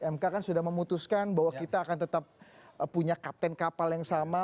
mk kan sudah memutuskan bahwa kita akan tetap punya kapten kapal yang sama